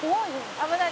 「危ない。